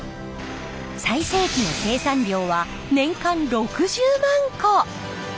最盛期の生産量は年間６０万個。